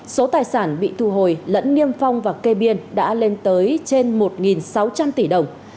số tài sản bị thu hồi lẫn niêm phong và kê biên đã lên tới trên một sáu trăm linh tỷ đồng